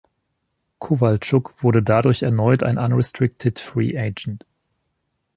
Kowaltschuk wurde dadurch erneut ein unrestricted Free Agent.